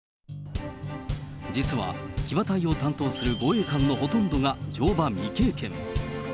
実は騎馬隊を担当する護衛官のほとんどが乗馬未経験。